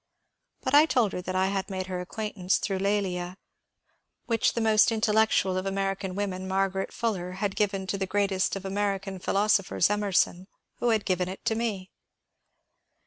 But I told her that I had made her acquaintance through ^^ L^lia," which the most intellectual of American women, Margaret Fuller, had given to the gpreatest of American philosophers, Emerson, who had given it to me.